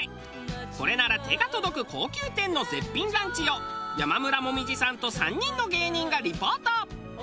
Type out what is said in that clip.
これなら手が届く高級店の絶品ランチを山村紅葉さんと３人の芸人がリポート。